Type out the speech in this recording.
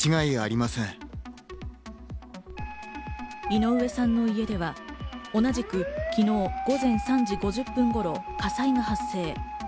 井上さんの家では同じく昨日午前３時５０分頃、火災が発生。